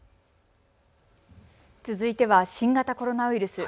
続いては新型コロナウイルス。